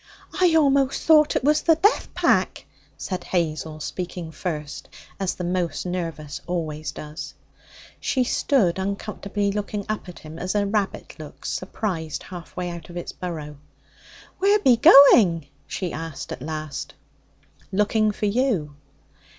'I a'most thought it was the death pack,' said Hazel, speaking first, as the more nervous always does. She stood uncomfortably looking up at him as a rabbit looks, surprised half way out of its burrow. 'Where be going?' she asked at last. 'Looking for you.'